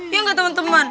ya gak teman teman